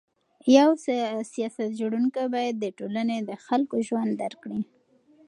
یو سیاست جوړونکی باید د ټولني د خلکو ژوند درک کړي.